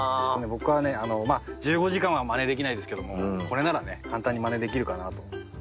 僕はねまあ１５時間はマネできないですけどもこれならね簡単にマネできるかなと。